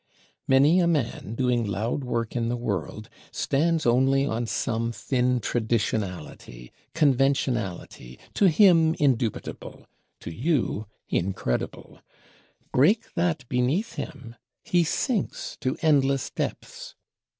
Many a man, doing loud work in the world, stands only on some thin traditionality, conventionality to him indubitable, to you incredible: break that beneath him, he sinks to endless depths!